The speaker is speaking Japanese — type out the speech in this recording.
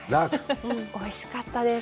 おいしかったです。